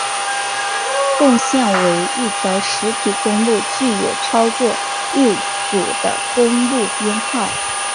共线为一条实体公路具有超过一组的公路编号。